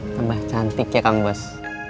tambah cantik ya kang bos